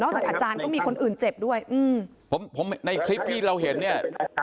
จากอาจารย์ก็มีคนอื่นเจ็บด้วยอืมผมผมในคลิปที่เราเห็นเนี่ย